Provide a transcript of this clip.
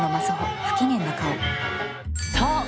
そう。